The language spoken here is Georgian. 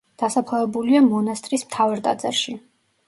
დასაფლავებულია მონასტრის მთავარ ტაძარში.